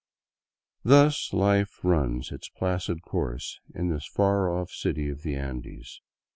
Thus life runs its placid course in this far off city of the Andes.